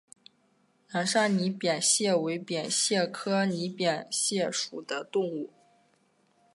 南沙拟扁蟹为扁蟹科拟扁蟹属的动物。